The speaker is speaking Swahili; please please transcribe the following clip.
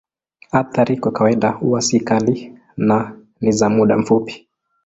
Athari kwa kawaida huwa si kali na ni za muda mfupi.